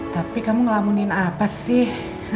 tapi kamu ngelamunin apa sih